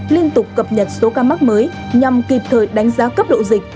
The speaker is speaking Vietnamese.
liên tục cập nhật số ca mắc mới nhằm kịp thời đánh giá cấp độ dịch